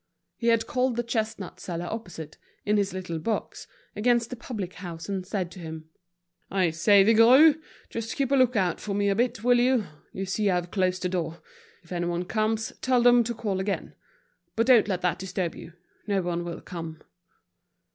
He had called the chestnut seller opposite, in his little box, against the public house, and said to him: "I say, Vigouroux, just keep a look out for me a bit, will you? You see I've closed the door. If anyone comes tell them to call again. But don't let that disturb you, no one will come."